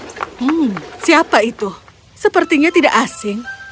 hmm siapa itu sepertinya tidak asing